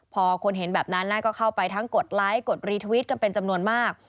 พอคนเห็นแบบนั้นก็เข้าไปทั้งกดไลค์กดรีทวิตกันเป็นจำนวนมาก